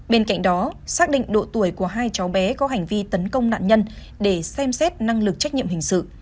bên cạnh đó xác định độ tuổi của hai cháu bé có hành vi tấn công nạn nhân để xem xét năng lực trách nhiệm hình sự